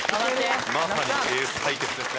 まさにエース対決ですね。